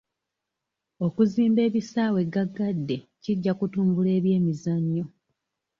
Okuzimba ebisaawe ggaggadde kijja kutumbula eby'emizannyo.